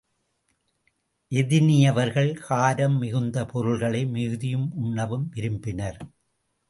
எதினியவர்கள் காரம் மிகுந்த பொருள்களை மிகுதியும் உண்ணவும் விரும்பினர்.